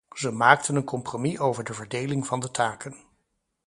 Ze maakten een compromis over de verdeling van de taken.